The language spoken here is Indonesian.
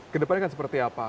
kedepannya kan seperti apa